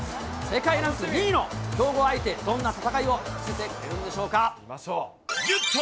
世界ランク２位の強豪相手、どんな戦いを見せてくれるんでしょうか。